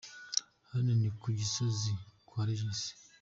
Hano ni ku Gisozi kwa Regis.